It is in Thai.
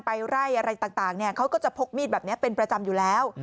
ไปไล่อะไรต่างเขาก็จะพกมีดแบบนี้เป็นประจำอยู่แล้ว